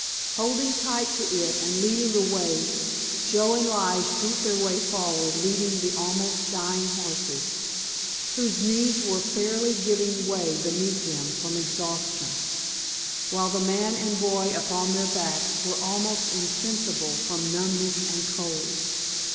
Holding tight to it and leading the way Joe and Lige beat their way forward leading the almost dying horses, whose knees were fairly giving way beneath them from exhaustion, while the man and boy upon their backs were almost insensible from numbness and cold.